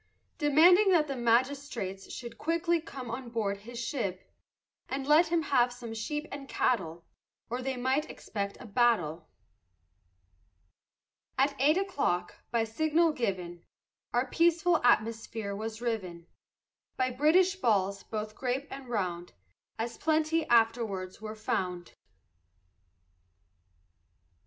Demanding that the magistrates Should quickly come on board his ship, And let him have some sheep and cattle, Or they might expect a battle. At eight o'clock, by signal given, Our peaceful atmosphere was riven By British balls, both grape and round, As plenty afterwards were found.